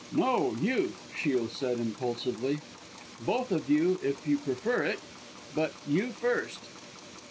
"No, you!" Shiel said impulsively, "both of you if you prefer it, but you first."